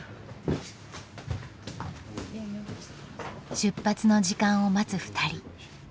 出発の時間を待つふたり。